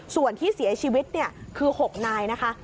ส่วนที่เสียชีวิตคือ๖นายนะคะ